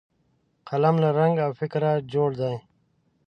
قلم له رنګ او فکره جوړ دی